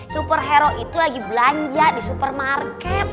superhero itu lagi belanja di supermarket